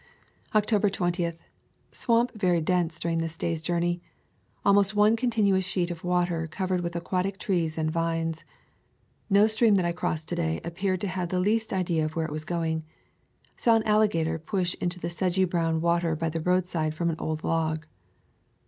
[ 110 ] Florida Swamps and Forests October 20. Swamp very dense during this day's journey. Almost one continuous sheet of water covered with aquatic trees and vines. No stream that I crossed to day appeared to have the least idea where it was going. Saw an alligator plash into the sedgy brown water by the roadside from an old log.